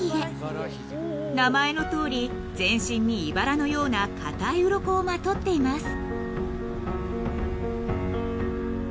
［名前のとおり全身にいばらのような硬いうろこをまとっています］